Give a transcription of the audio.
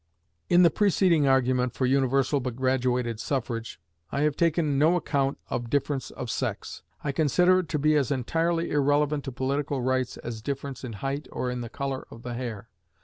In the preceding argument for universal but graduated suffrage, I have taken no account of difference of sex. I consider it to be as entirely irrelevant to political rights as difference in height or in the color of the hair.